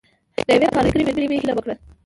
له یوې کارګرې مېرمنې مې هیله وکړه.